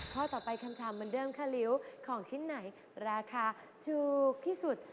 ข้อต่อไปคำถามเหมือนเดิมค่ะลิ้วของชิ้นไหนราคาถูกที่สุด